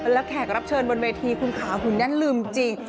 แล้วแขกรับเชิญบนเวทีคุณขาหุ่นแน่นลืมจริง